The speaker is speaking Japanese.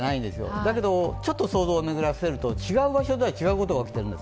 だけどちょっと想像を巡らせると違う場所では違うことが起きているんです。